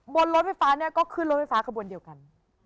บนรถไฟฟ้าเนี่ยก็ขึ้นรถไฟฟ้าขบวนเดียวกัน